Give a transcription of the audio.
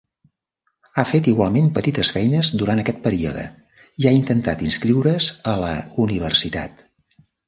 Ha fet igualment petites feines durant aquest període i ha intentat inscriure's a la universitat.